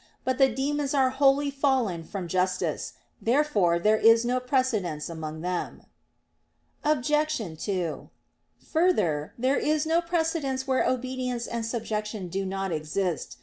But the demons are wholly fallen from justice. Therefore there is no precedence among them. Obj. 2: Further, there is no precedence where obedience and subjection do not exist.